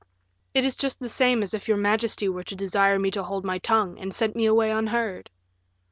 "It is just the same as if your majesty were to desire me to hold my tongue, and sent me away unheard."